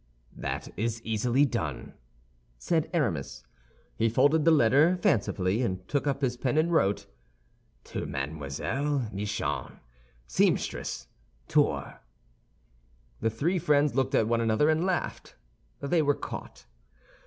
"That is easily done," said Aramis. He folded the letter fancifully, and took up his pen and wrote: "To Mlle. Michon, seamstress, Tours." The three friends looked at one another and laughed; they were caught.